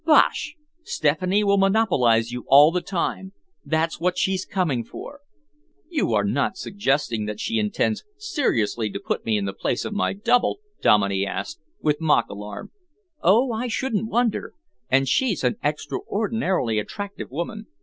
"Bosh! Stephanie will monopolise you all the time! That's what's she's coming for." "You are not suggesting that she intends seriously to put me in the place of my double?" Dominey asked, with mock alarm. "Oh, I shouldn't wonder! And she's an extraordinarily attractive woman.